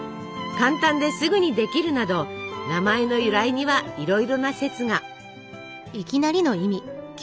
簡単ですぐにできるなど名前の由来にはいろいろな説が。